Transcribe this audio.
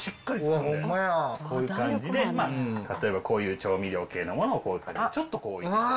こういう感じで、例えばこういう調味料系のものをこういった形でちょっと。